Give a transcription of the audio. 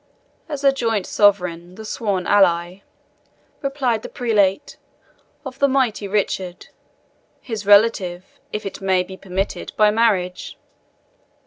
"As a joint sovereign, the sworn ally," replied the prelate, "of the mighty Richard his relative, if it may be permitted, by marriage."